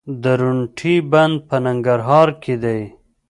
د درونټې بند په ننګرهار کې دی